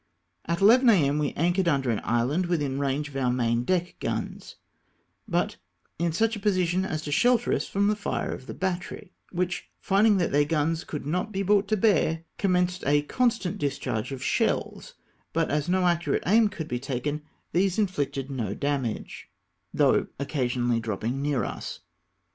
At 11 A.M. we anchored under an island, within range of our main deck guns, but in such a position as to shelter us from the fire of the battery, which, finding that their guns could not be brought to bear, com menccd a constant discharge of shells ; but as no accurate aim could be taken, these inflicted no damage, though occasionally dropping near us.